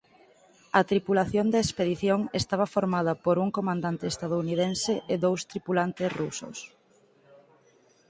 A tripulación da expedición estaba formada por un comandante estadounidense e dous tripulantes rusos.